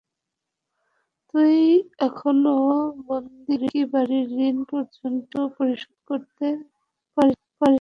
তুই এখনো বন্ধকী বাড়ির ঋণ পর্যন্ত পরিশোধ করতে পারিসনি।